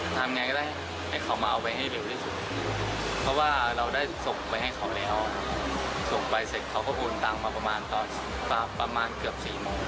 ส่งไปเสร็จเขาก็อุ้นตังค์มาประมาณเกือบ๔โมง